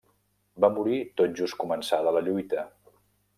Va morir tot just començada la lluita.